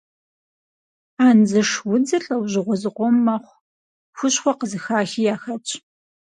Андзыш удзыр лӏэужьыгъуэ зыкъом мэхъу, хущхъуэ къызыхахи яхэтщ.